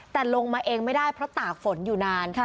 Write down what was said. แต่ลงมาเองไม่ได้เพราะตากฝนอยู่นาน